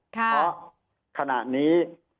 เพราะขณะนี้